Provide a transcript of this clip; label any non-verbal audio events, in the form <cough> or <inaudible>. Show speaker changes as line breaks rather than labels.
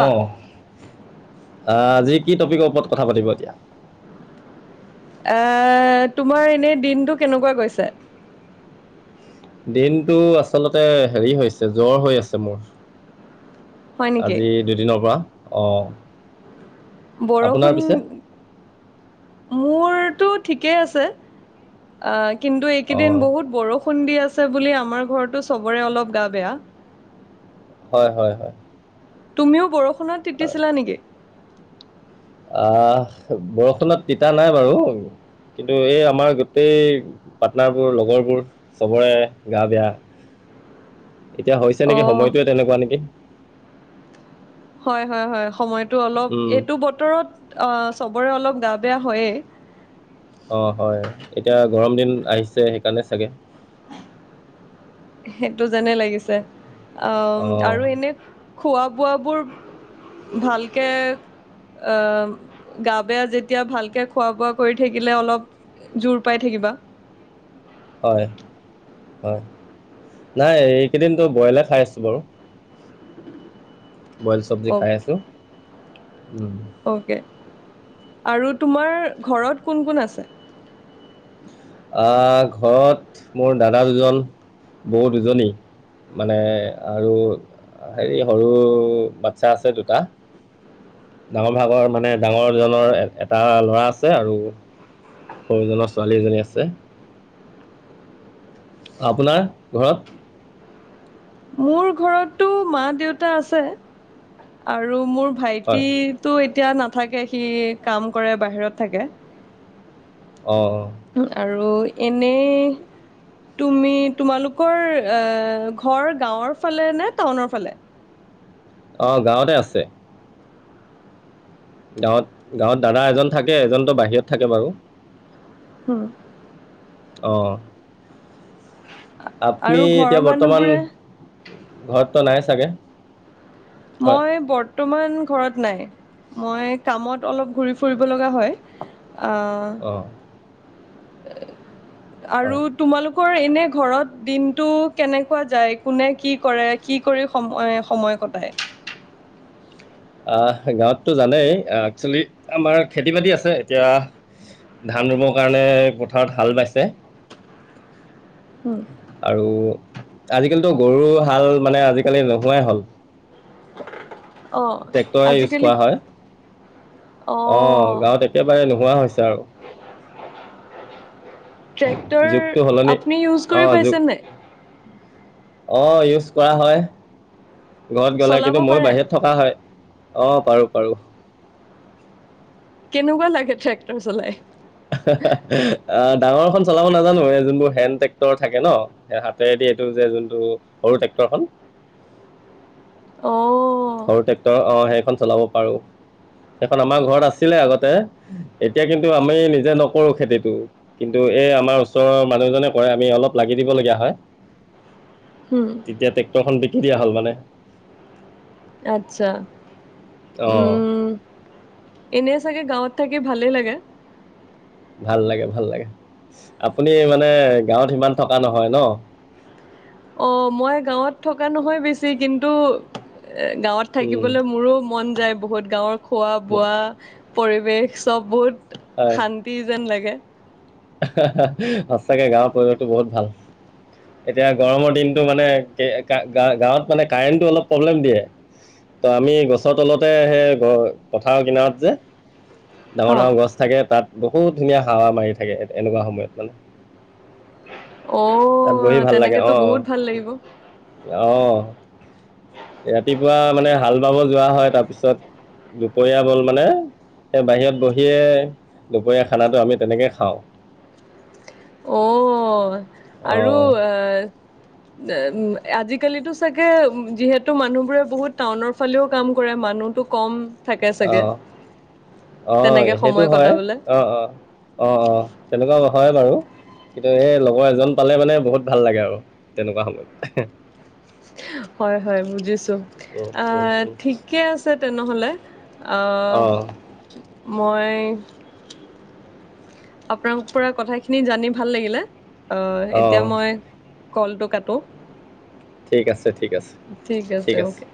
অ আঁ, আজি কি টপিকৰ ওপৰত কথা পাতিব এতিয়া?
এ--তোমাৰ এনেই দিনটো কেনেকুৱা গৈছে?
দিনটো আচলতে হেৰি হৈছে, জ্বৰ হৈ আছে মোৰ।
হয় নেকি
আজি দুদিনৰ পৰা। অঁ আপোনাৰ
বৰষুণ,
পিছে
মোৰ টো ঠিকেই আছে। অঁ কিন্তু এইকেইদিন
অঁ
বহুত বৰষুণ দি আছ্‌ আছে বুলি, আমাৰ ঘৰটো চবৰে অলপ গা বেয়া।
হ'য়, হ'য় হ'য়।
তুমিও বৰষুণত তিতিছিলা নেকি?
আহ, বৰষুণত তিতা নাই বাৰু। কিন্তু এই, আমাৰ গোটেই পাৰ্টনাৰবোৰ, লগৰবোৰ চবৰে গা বেয়া। এতিয়া হৈছে
অ
নেকি? সময়টোৱে তেনেকুৱা নেকি?
হেঁ, হ'য় হ'য় সময়টো অলপ,
উম,
এইটো বতৰত অঁ চবৰে অলপ গা বেয়া হ'য়ে।
অঁ হ'য়, এতিয়া গৰম দিন আহিছে সেইকাৰণে চাগে
সেইটো যেনে লাগিছে। আও
অঁ
আৰু এনে খোৱা- বোৱা বোৰ ভালকে অঁ, গা বেয়া যেতিয়া ভালকে খোৱা-বোৱা কৰি থাকিলে অলপ জোৰ পাই থাকি। কিবা
হ'য়। হ'য়, নাই, এইকেইদিনটো বইলে খাই আছো বাৰু। বইল চব্‌জি খাই আছো। উম
অ'কে আৰু তোমাৰ ঘৰত কোন কোন আছে?
আহ--ঘৰত মোৰ দাদা দুজন, বৌ দুজনী মানে, আৰু হেৰি সৰু বাচ্ছা আছে দুটা। ডাঙৰ ভাগৰ, মানে ডাঙৰজনৰ এটা ল'ৰা আছে আৰু সৰুজনৰ ছোৱালী এজনী আছে। আপোনাৰ ঘৰত
মোৰ ঘৰতটো মা দেউতা আছে আৰু মোৰ
হয়
ভাইতিটো এতিয়া নাথাকে। সি কাম কৰে, বাহিৰত থাকে।
অঁ অঁ
আৰু এনেই তুমি, তোমালোকৰ এ ঘৰ গাঁৱৰ ফালে নে টাউনৰ ফালে?
অঁ, গাঁৱতে আছে। গাঁৱত, গাঁৱত দাদা এজন থাকে, এজনটো বাহিৰত থাকে বাৰু।
হো
অ আপুনি
আৰু ঘৰৰ
এতিয়া বৰ্তমান
মানুহবোৰে
ঘৰতটো নাই চাগে? হয়
মই বৰ্তমান ঘৰত নাই। মই কামত অলপ ঘূৰি ফুৰিব লগা হয়
অঁ
আ আৰু
হয়
তোমালোকৰ এনে ঘৰত দিনটো কেনেকুৱা যায় কোনে কি কৰে কি কৰি সময় সময় কটায়?
আহ গাঁৱতটো জানেই একচেলি আমাৰ খেতি বাতি আছে এতিয়া ধান ৰুবৰ কাৰণে পথাৰত হাল বাইছে,
উম,
আৰু আজিকালিতো গৰু হাল মানে আজিকালি নোহোৱাই হল।
<unintelligible>
ট্ৰেক্টৰে ইউজ
আজিকালি
কৰা হয়। অ গাঁৱত একেবাৰে নোহোৱা হৈছে আৰু।
ট্ৰেক্টৰ
যুগটো সলনি
আপুনি ইউজ
অঁ
কৰি
যুগ
পাইছে নাই?
অঁ ইউজ কৰা হয় ঘৰত গ'লে
চলাব
কিন্তু মইয়ো
পাৰে?
বাহিৰত থকা হয় অঁ পাৰো পাৰো।
কেনেকুৱা লাগে ট্ৰেক্টৰ চলাই?
হাঃ, হাঃ, হাঃ আ ডাঙৰখন চলাব নাজানো এই যোনবোৰ হেণ্ড ট্ৰেক্টৰ থাকে ন, হাতেৰেদি এইটো যে যোনটো সৰু ট্ৰেক্টৰ টেক্টৰ খন
অ
সৰু ট্ৰেক্টৰ অহ সেইখন চলাব পাৰো। সেইখন আমাৰ ঘৰত আছিলে আগতে এতিয়া কিন্তু আমি নিজে নকৰো খেতিটো কিন্তু এই আমাৰ ওচৰৰ মানুহজনে কৰে আমি অলপ লাগি দিবলগীয়া হয়
হুম
তেতিয়া ট্ৰেক্টৰখন বিকি দিয়া হ'ল মানে।
আচ্ছা
অঁ
উম এনে চাগে গাঁৱত থাকি ভালেই লাগে?
ভাল লাগে ভাল লাগে আপুনি মানে গাঁৱত সিমান থকা নহয় ন <unintelligible>
অ মই গাঁৱত থকা নহয় বেছি কিন্তু গাঁৱত
উম,
থাকিবলৈ মোৰো মন যায় বহুত গাঁৱৰ খোৱা-
ম-
বোৱা পৰিৱেশ চব বহুত শান্তি যেন লাগে।
হা হা হা সঁচাকে গাঁৱৰ পৰিৱেশটো বহুত ভাল। এতিয়া গৰমৰ দিনটো মানে গাঁৱত মানে কাৰেণ্টটো অলপ প্ৰব্লেম দিয়ে, ত আমি গছৰ তলতে সেই পথাৰ কিনাৰত যে ডাঙৰ
অ'
ডাঙৰ গছ থাকে তাত বহুত ধুনীয়া হাৱা মাৰি থাকে এনেকুৱা সময়ত মানে। তাত বহি
অ'
ভাল লাগে
তেনেকেতো
অ
বহুত ভাল লাগিব
অ অ ৰাতিপুৱা মানে হাল বাব যোৱা হয় তাৰপিছত দুপৰীয়া ব'ল মানে বাহিৰত বহিয়ে দুপৰীয়া খানাটো আমি তেনেকে খাওঁ।
অ
অ
আৰু আহ উ আজিকালিতো চাগে যিহেতু মানুহবোৰে বহুত টাউনৰ ফালেও কাম কৰে মানুহটো কম থাকে
অ
চাগে।
অ
তেনেকে
সেইটো
সময়
হয়
কটাবলে
অ অ অ অ তেনেকুৱা হয় বাৰু কিন্তু এই লগৰ এজন পালে মানে বহুত ভাল লাগে আৰু তেনেকুৱা সময়ত।
হয় হয় বুজিছো
উম, উম,
আহ
উম।
ঠিকে আছে তেনেহ'লে অ মই আপোনাৰ পৰা কথাখিনি জানি ভাল লাগিলে আহ
অ
এতিয়া মই কলটো কাটো
ঠিক আছে ঠিক আছে
ঠিক আছে অকে।